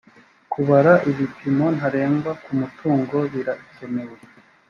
kubara ibipimo ntarengwa ku mutungo birakenewe.